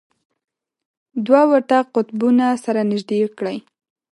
دوه ورته قطبونه سره نژدې کړئ.